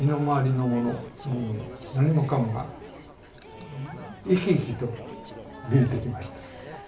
もう何もかもが生き生きと見えてきました。